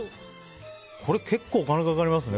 これ、結構お金かかりますよね。